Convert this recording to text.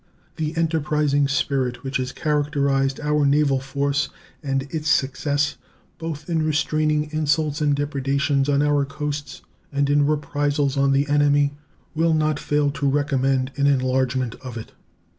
The enterprising spirit which has characterized our naval force and its success, both in restraining insults and depredations on our coasts and in reprisals on the enemy, will not fail to recommend an enlargement of it.